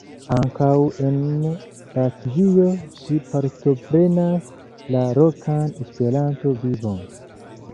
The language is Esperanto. Ankaŭ en Latvio ŝi partoprenas la lokan Esperanto-vivon.